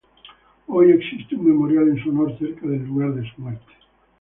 Hoy existe un memorial en su honor cerca del lugar de su muerte.